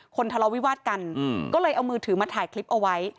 ทะเลาวิวาสกันก็เลยเอามือถือมาถ่ายคลิปเอาไว้